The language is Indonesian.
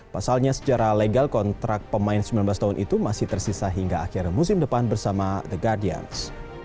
pasalnya secara legal kontrak pemain sembilan belas tahun itu masih tersisa hingga akhir musim depan bersama the guardians